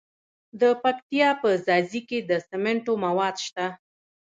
د پکتیا په ځاځي کې د سمنټو مواد شته.